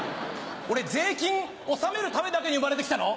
俺税金納めるためだけに生まれて来たの？